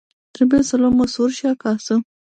Trebuie să luăm măsuri și acasă.